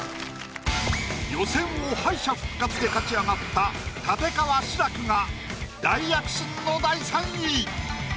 予選を敗者復活で勝ち上がった立川志らくが大躍進の第３位！